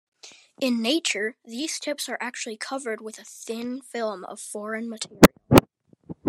In nature these tips are actually covered with a thin film of foreign material.